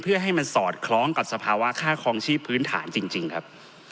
เพื่อให้มันสอดคล้องกับสภาวะค่าคลองชีพพื้นฐานจริงครับ